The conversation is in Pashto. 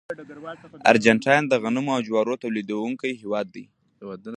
ارجنټاین د غنمو او جوارو تولیدونکي هېوادونه دي.